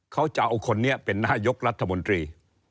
เขาจะเอาคนนี้เป็นนายกรัฐมนตรี